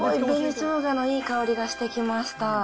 紅しょうがのいい香りがしてきました。